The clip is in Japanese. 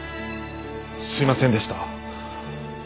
すいませんでした！